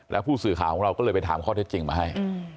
แล้วผู้สื่อข่าวของเราก็เลยไปถามข้อเท็จจริงมาให้